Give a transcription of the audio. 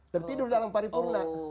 dan tidur dalam pari purna